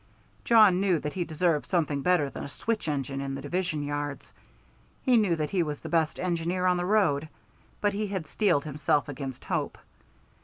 Jawn knew that he deserved something better than a switch engine in the division yards, he knew that he was the best engineer on the road, but he had steeled himself against hope.